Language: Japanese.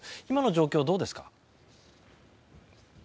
今の状況、どうですか？